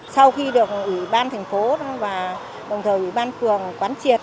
sau khi được ủy ban thành phố và đồng thời ủy ban phường quán triệt